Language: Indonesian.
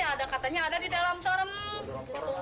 ada katanya ada di dalam serem gitu